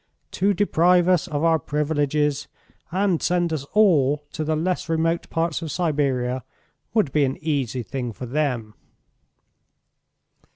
To deprive us of our privileges, and send us all to the less remote parts of Siberia, would be an easy thing for them."